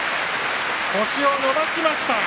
星を伸ばしました。